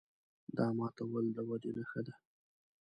دا ماتول د ودې نښه ده.